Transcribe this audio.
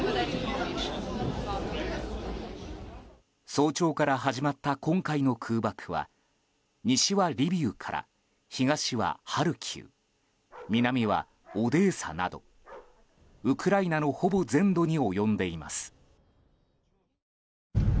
早朝から始まった今回の空爆は西はリビウから、東はハルキウ南はオデーサなどウクライナのほぼ全土に及んでいます。